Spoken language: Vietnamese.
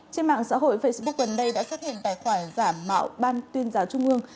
trên mạng xã hội facebook gần đây đã xuất hiện bài khỏi giảm mạo ban tuyên giáo trung ương